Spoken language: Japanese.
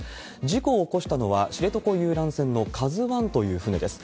事故を起こしたのは、知床遊覧船のＫＡＺＵＩという船です。